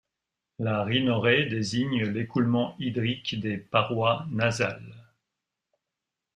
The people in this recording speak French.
La rhinorrhée désigne l'écoulement hydrique des parois nasales.